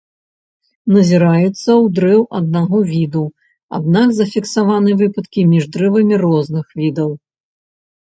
Назіраецца ў дрэў аднаго віду, аднак зафіксаваны выпадкі між дрэвамі розных відаў.